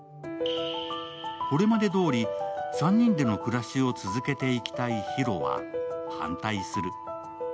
これまでどおり、３人での暮らしを続けていきたいヒロは反対する。